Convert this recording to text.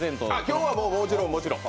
今日はもちろんもちろん。